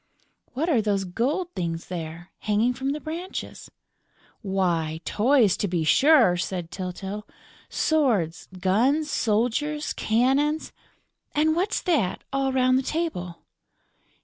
"What are those gold things there, hanging from the branches?" "Why, toys, to be sure!" said Tyltyl. "Swords, guns, soldiers, cannons...." "And what's that, all round the table?"